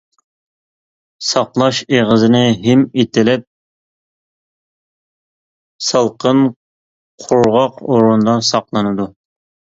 ساقلاش ئېغىزىنى ھىم ئېتىلىپ، سالقىن قۇرغاق ئورۇندا ساقلىنىدۇ.